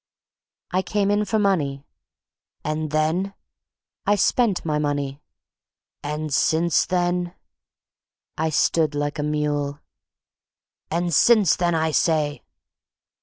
"I came in for money." "And then?" "I spent my money." "And since then?" I stood like a mule. "And since then, I say!"